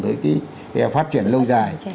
tới cái phát triển lâu dài